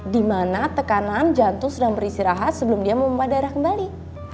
dimana tekanan jantung sedang beristirahat sebelum dia memumpah darah kembali